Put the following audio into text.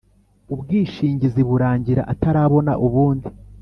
ubwishingizi burangira atarabona ubundi